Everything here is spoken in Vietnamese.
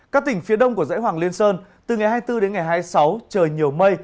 các tỉnh phía đông của dãy hoàng liên sơn từ ngày hai mươi bốn đến ngày hai mươi sáu trời nhiều mây